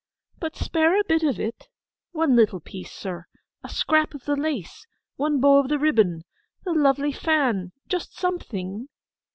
'But spare a bit of it—one little piece, sir—a scrap of the lace—one bow of the ribbon—the lovely fan—just something!